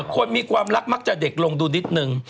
คนมีความรักมักจะเด็กลงดูนิดนึง